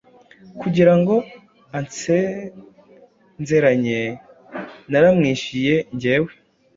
kugirango ansenzeranye naramwishyuye njyewe